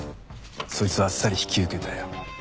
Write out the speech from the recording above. そいつはあっさり引き受けたよ。